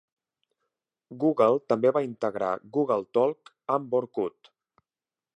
Google també va integrar Google Talk amb Orkut.